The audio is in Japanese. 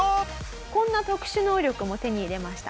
こんな特殊能力も手に入れました。